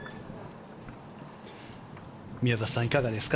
宮里さん、いかがですか。